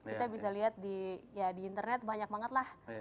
kita bisa lihat di internet banyak banget lah